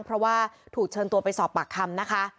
เพราะว่าถูกเชิญตัวไปสอบปากคำนะคะ